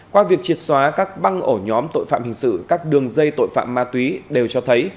qua việc triệt xóa các băng ổ nhóm tội phạm hình sự các đường dây tội phạm ma túy đều cho thấy